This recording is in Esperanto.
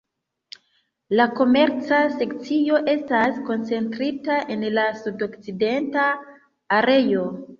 La komerca sekcio estas koncentrita en la sudokcidenta areo.